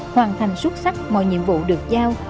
hoàn thành xuất sắc mọi nhiệm vụ được giao